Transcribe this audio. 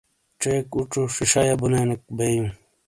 ڇیک اُچو ݜیݜہ یا بونیک بےیو۔